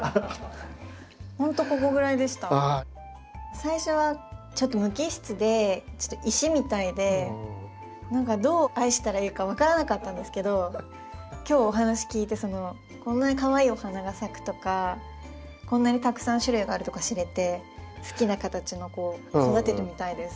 最初はちょっと無機質でちょっと石みたいで何かどう愛したらいいか分からなかったんですけど今日お話聞いてこんなにかわいいお花が咲くとかこんなにたくさん種類があるとか知れて好きな形の子を育ててみたいです。